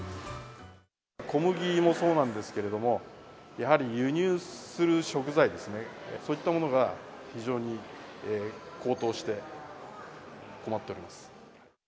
小麦もそうなんですけれども、やはり輸入する食材ですね、そういったものが非常に高騰して、困っております。